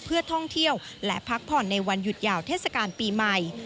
เพื่อท่องเที่ยวและพักผ่อนในวันหยุดยาวเทศกาลปีใหม่